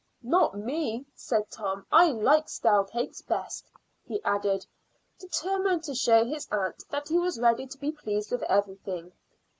"Not me," said Tom, "I like stale cakes best," he added, determined to show his aunt that he was ready to be pleased with everything.